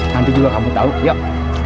nanti juga kamu tahu tiap